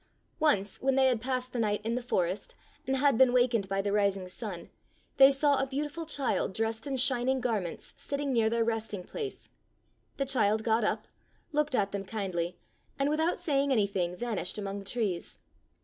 Once, when they had passed the night in 35 Fairy Tale Bears the forest, and had been wakened by the rising sun, they saw a beautiful child dressed in shining garments sitting near their resting place. The child got up, looked at them kindly, and without saying anything van ished among the trees.